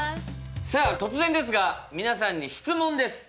さあ突然ですが皆さんに質問です。